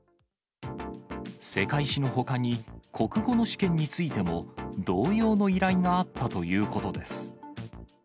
世界史のほかに、国語の試験についても、同様の依頼があったということです。